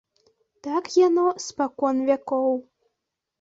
Так яно спакон вякоў.